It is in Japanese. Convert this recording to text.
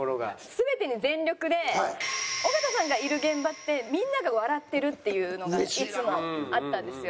全てに全力で尾形さんがいる現場ってみんなが笑ってるっていうのがいつもあったんですよ。